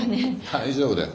大丈夫だよ。